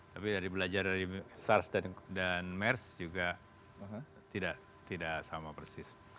tapi dari belajar dari sars dan mers juga tidak sama persis